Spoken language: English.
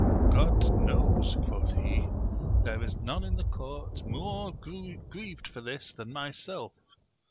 God knows, quoth he, there is none in the court more grieved for this than myself.